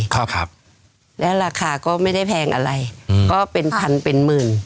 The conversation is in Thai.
ครับครับแล้วราคาก็ไม่ได้แพงอะไรอืมก็เป็นพันเป็นหมื่น